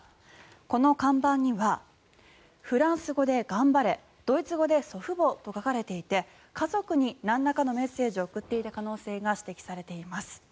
この看板にはフランス語で「頑張れ」ドイツ語で「祖父母」と書かれていて家族になんらかのメッセージを送っていた可能性が指摘されています。